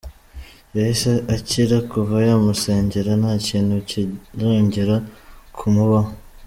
Yahise akira, kuva yamusengera nta kintu kirongera kumubaho.